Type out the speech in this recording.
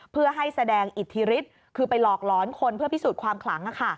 เพื่อให้แสดงอิทธิฤทธิ์คือไปหลอกหลอนคนเพื่อพิสูจน์ความขลัง